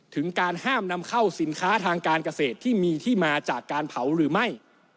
ถึงการห้ามนำเข้าสินค้าทางการเกษตรที่มีที่มาจากการเผาหรือไม่